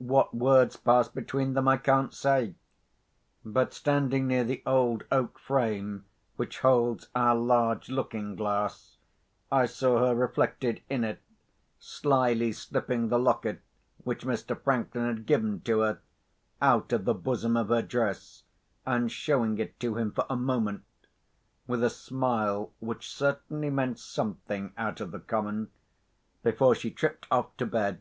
What words passed between them I can't say. But standing near the old oak frame which holds our large looking glass, I saw her reflected in it, slyly slipping the locket which Mr. Franklin had given to her, out of the bosom of her dress, and showing it to him for a moment, with a smile which certainly meant something out of the common, before she tripped off to bed.